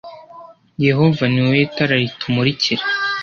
yehova ni wowe tara ritumurikira